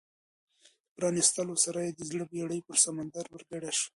د پرانیستلو سره یې د زړه بېړۍ پر سمندر ورګډه شوه.